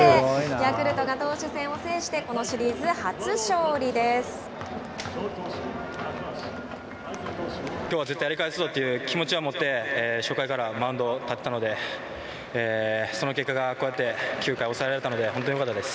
ヤクルトが投手戦を制してきょうは絶対やりかえすぞという気持ちを持って初回からマウンドに立ってたのでその結果が、こうやって９回抑えられたので本当によかったです。